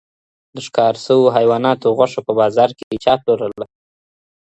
د ښکار شوو حیواناتو غوښه په بازار کي چا پلورله؟